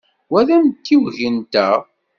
Wa d amtiweg-nteɣ.